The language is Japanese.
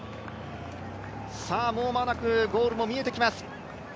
間もなくゴールも見えてきます。